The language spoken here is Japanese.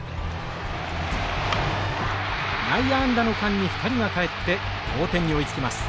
内野安打の間に２人が帰って同点に追いつきます。